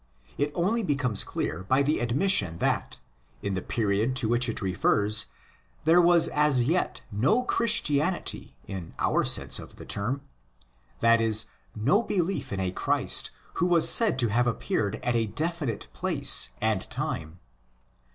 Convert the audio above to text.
It only becomes clear by the ad mission that, in the period to which it refers, there was as yet no Christianity in our sense of the term— that is, no belief in a Christ who was said to have appeared at a definite place and time.